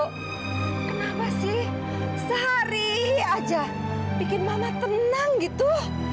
kenapa sih sehari aja bikin mama tenang gitu